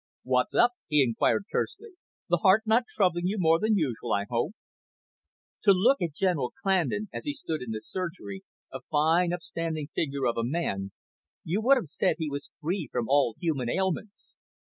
"What's up?" he inquired tersely. "The heart not troubling you more than usual, I hope?" To look at General Clandon, as he stood in the surgery, a fine upstanding figure of a man, you would have said he was free from all human ailments.